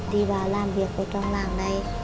đi vào làm việc ở trong làng đây